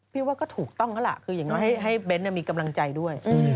ว่าก็ถูกต้องแล้วล่ะคืออย่างน้อยให้เบ้นมีกำลังใจด้วย